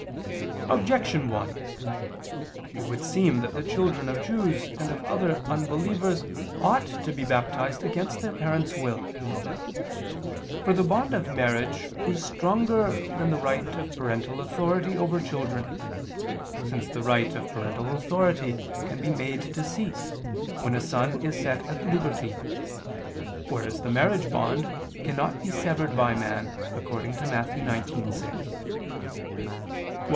Objection 1: It would seem that the children of Jews and of other unbelievers ought to be baptized against their parents' will. For the bond of marriage is stronger than the right of parental authority over children, since the right of parental authority can be made to cease, when a son is set at liberty; whereas the marriage bond cannot be severed by man, according to Matt. 19:6: "What